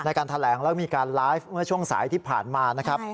การแถลงแล้วมีการไลฟ์เมื่อช่วงสายที่ผ่านมานะครับ